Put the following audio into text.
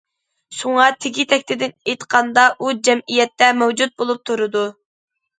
شۇڭا، تېگى تەكتىدىن ئېيتقاندا، ئۇ جەمئىيەتتە مەۋجۇت بولۇپ تۇرىدۇ.